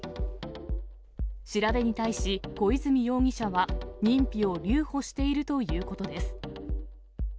調べに対し、小泉容疑者は認否を留保しているということです。